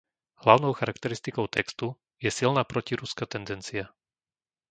Hlavnou charakteristikou textu je silná protiruská tendencia.